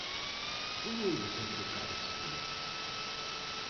Como ides enfocar ese día?